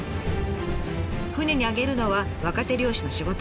船に揚げるのは若手漁師の仕事。